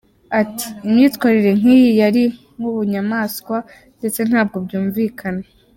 Ati “Imyitwarire nk’iyi yari nk’ubunyamaswa ndetse ntabwo byumvikana.